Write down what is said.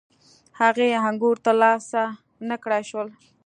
هغې انګور ترلاسه نه کړای شول.